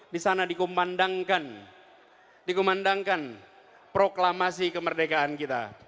di sana dikumandangkan dikumandangkan proklamasi kemerdekaan kita